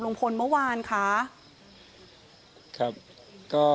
๙ลุงพลแม่ตะเคียนเข้าสิงหรือเปล่า